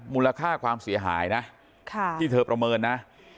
มูลค่าความเสียหายนะที่เธอประเมินนะ